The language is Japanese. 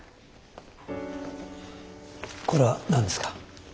これは何ですか？